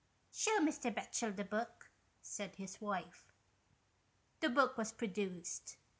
" Shew Mr. Batchel the book," said his wife. The book was produced.